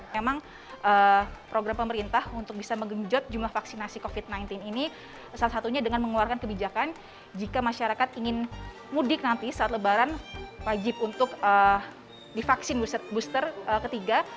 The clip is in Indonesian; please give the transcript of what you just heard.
jika masyarakat ingin mudik nanti saat lebaran wajib untuk divaksin booster ketiga